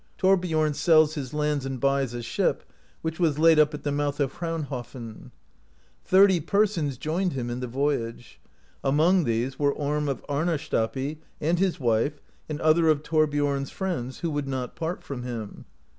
Thorbiorn sells his lands and buys a ship, w^hich was laid up at the mouth of Hraunhofn (30). Thirty persons joined him in the voyage; among these were Orm of Arnarstapi, and his wife, and other of Thorbiom's friends, who would not part from htm.